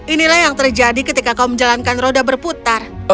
inilah yang terjadi ketika kau menjalankan roda berputar